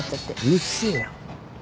うっせえよ。